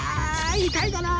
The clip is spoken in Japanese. いたいがな！